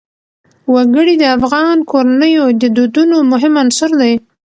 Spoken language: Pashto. وګړي د افغان کورنیو د دودونو مهم عنصر دی.